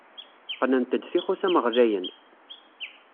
Qqnent-d tixutam ɣlayen.